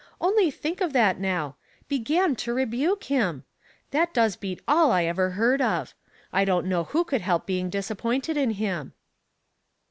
Only think of that now. ' Be^an to rebuke him !' That does beat ali I ever heard of. I don't know who could help being disappointed in him."